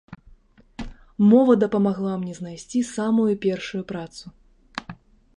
Мова дапамагла мне знайсці самую першую працу.